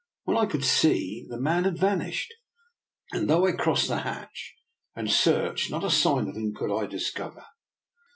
When I could see, the man had vanished, and though I crossed the hatch and searched, not a sign of him could I discover.